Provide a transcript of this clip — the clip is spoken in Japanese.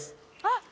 あっ！